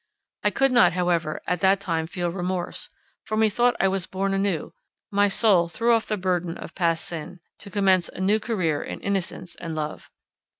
I could not however at that time feel remorse, for methought I was born anew; my soul threw off the burthen of past sin, to commence a new career in innocence and love.